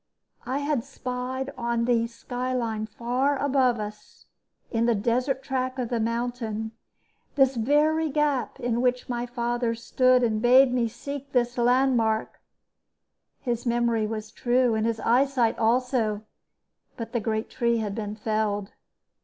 I had spied on the sky line far above us, in the desert track of mountain, the very gap in which my father stood and bade me seek this landmark. His memory was true, and his eyesight also; but the great tree had been felled.